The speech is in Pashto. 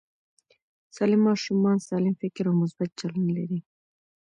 سالم ماشومان سالم فکر او مثبت چلند لري.